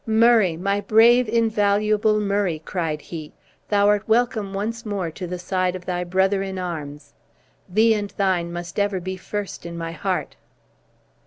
"Murray! My brave, invaluable Murray!" cried he, "thou art welcome once more to the side of thy brother in arms. Thee and thine must ever be first in my heart!"